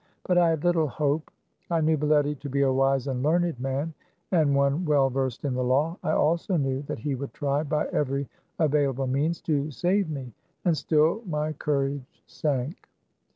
But I had little hope. I knew Baletty to be a wise and learned man, and one well versed in the law. I also knew that he would try by every available means to save me ; and still my courage sank.